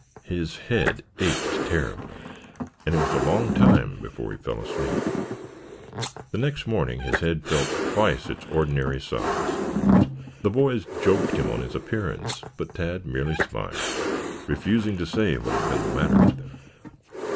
His head ached terribly, and it was a long time before he fell asleep. The next morning his head felt twice its ordinary size. The boys joked him on his appearance, but Tad merely smiled, refusing to say what had been the matter with him.